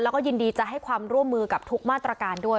แล้วก็ยินดีจะให้ความร่วมมือกับทุกมาตรการด้วย